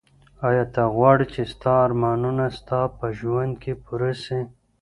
ایا ته غواړې چي ستا ارمانونه ستا په ژوند کي پوره سي؟